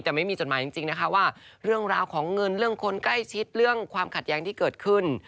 แต่ไม่มีจดหมายจริงนะคะว่าเรื่องราวของเงินเรื่องคนใกล้ชิดเรื่องความขัดแย้งที่เกิดขึ้น